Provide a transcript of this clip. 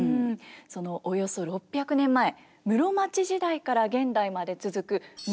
そのおよそ６００年前室町時代から現代まで続く能と狂言。